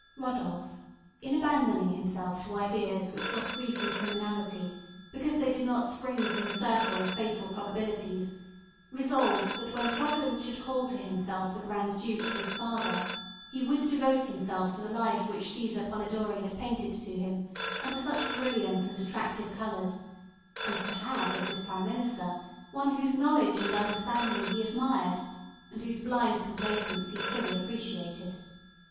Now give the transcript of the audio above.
Rodolph, in abandoning himself to ideas which were free from criminality, because they did not spring from the circle of fatal probabilities, resolved that when Providence should call to himself the Grand Duke, his father, he would devote himself to the life which César Polidori had painted to him under such brilliant and attractive colours, and to have as his prime minister one whose knowledge and understanding he admired, and whose blind complaisance he fully appreciated.